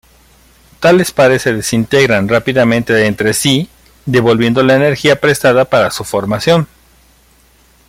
Tales pares se desintegran rápidamente entre sí, "devolviendo" la energía "prestada" para su formación.